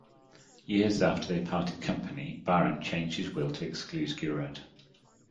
Years after they parted company, Byron changed his will to exclude Giraud.